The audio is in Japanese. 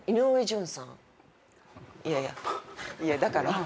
いやいやいやだから。